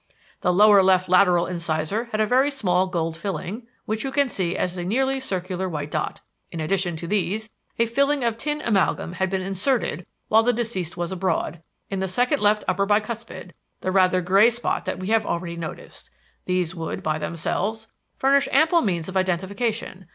The lower left lateral incisor had a very small gold filling, which you can see as a nearly circular white dot. In addition to these, a filling of tin amalgam had been inserted while the deceased was abroad, in the second left upper bicuspid, the rather gray spot that we have already noticed. These would, by themselves, furnish ample means of identification.